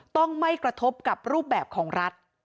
ต้องไม่กระทบกับรูปแบบของรัฐ